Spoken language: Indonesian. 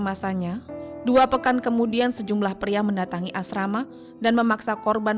masanya dua pekan kemudian sejumlah pria mendatangi asrama dan memaksa korban